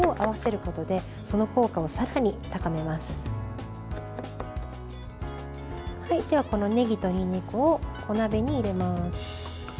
では、ねぎとにんにくを小鍋に入れます。